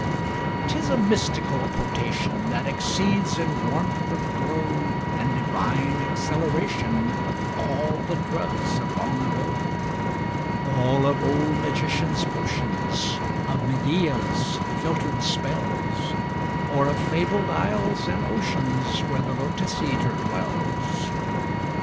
'Tis a mystical potation That exceeds in warmth of glow And divine exhilaration All the drugs of long ago All of old magicians' potions Of Medea's filtered spells Or of fabled isles and oceans Where the Lotos eater dwells!